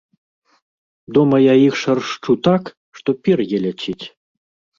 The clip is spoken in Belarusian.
Дома я іх шаршчу так, што пер'е ляціць.